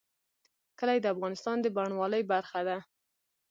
کلي د افغانستان د بڼوالۍ برخه ده.